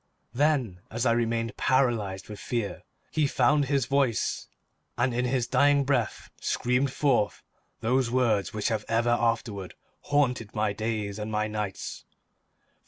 Then, as I remained, paralyzed with fear, he found his voice and in his dying breath screamed forth those words which have ever afterward haunted my days and my nights.